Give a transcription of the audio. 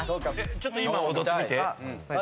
ちょっと今踊ってみて。